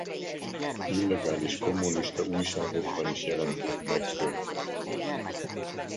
Illegális kommunista újságokban is jelentek meg költeményei.